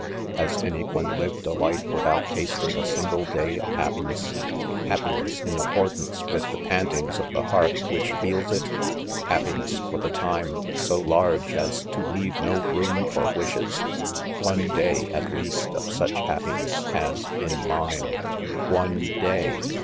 f c Has any one lived a life without tasting a single day of happiness 1 — happiness in ac cordance with the pantings of the heart which feels it ?— happiness, for.the time, so large as to leave no room for wishes ? 1 One day, at least, of such happiness, has been mine. One day